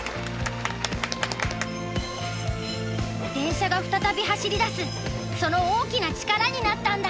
電車が再び走りだすその大きな力になったんだ。